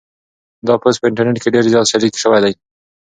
دا پوسټ په انټرنيټ کې ډېر زیات شریک شوی دی.